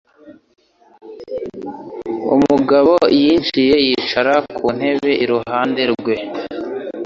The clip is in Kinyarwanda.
Umugabo yinjiye yicara ku ntebe iruhande rwe.